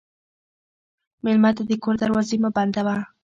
مېلمه ته د کور دروازې مه بندوه.